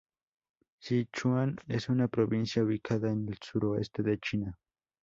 Sichuan es una provincia ubicada en el Suroeste de China.